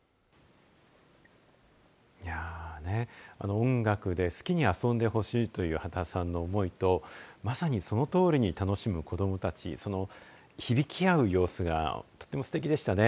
音楽で好きに遊んでほしいという刄田さんの思いとまさにその通りに楽しむ子どもたちその響き合う様子がとてもすてきでしたね。